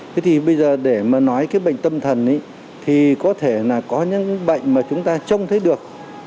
thế thì bây giờ để mà nói cái bệnh tâm thần thì có thể là có những bệnh mà chúng ta trông thấy được